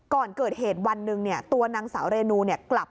ก่อนเกิดเหตุวันหนึ่งเนี่ยตัวนางสาวเรนูเนี่ย